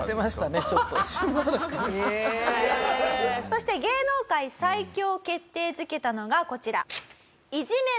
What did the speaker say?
そして芸能界最強を決定づけたのがこちら。